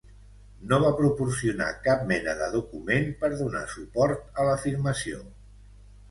No va proporcionar cap mena de document per donar suport a l'afirmació.